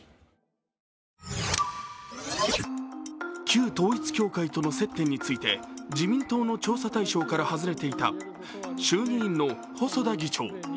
旧統一教会との接点について自民党の調査対象から外れていた衆議院の細田議長。